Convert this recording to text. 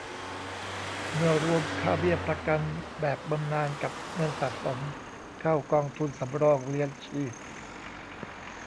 เมื่อรวมค่าเบี้ยประกันแบบบำนาญกับเงินสะสมเข้ากองทุนสำรองเลี้ยงชีพ